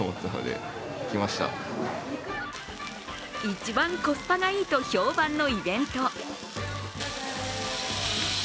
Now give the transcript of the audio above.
一番コスパがいいと評判のイベント。